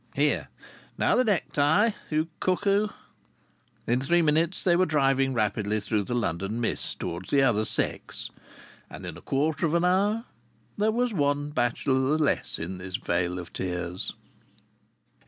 Here! Now the necktie, you cuckoo!" In three minutes they were driving rapidly through the London mist towards the other sex, and in a quarter of an hour there was one bachelor the less in this vale of tears.